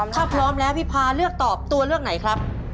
ถ้าพร้อมแล้วพี่พาเลือกตอบตัวเลือกไหนครับ